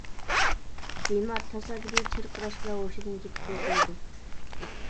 بىمار تاسادىپىي چىرقىراش بىلەن ھوشىدىن كېتىپ يىقىلىدۇ.